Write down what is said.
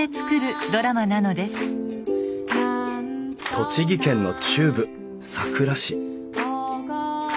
栃木県の中部さくら市